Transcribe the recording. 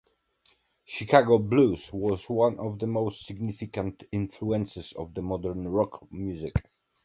Chicago blues was one of the most significant influences on modern rock music.